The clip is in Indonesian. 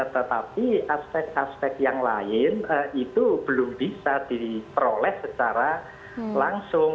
tetapi aspek aspek yang lain itu belum bisa diperoleh secara langsung